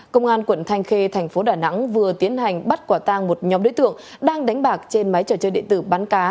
công an quận thanh khê tp đà nẵng vừa tiến hành bắt quả tang một nhóm đối tượng đang đánh bạc trên máy trò chơi điện tử bán cá